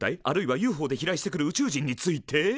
あるいはＵＦＯで飛来してくる宇宙人について？